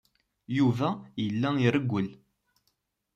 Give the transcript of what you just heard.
Yuba yella irewwel.